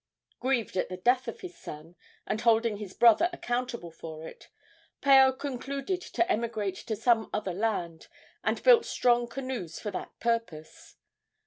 Grieved at the death of his son, and holding his brother accountable for it, Paao concluded to emigrate to some other land, and built strong canoes for that purpose.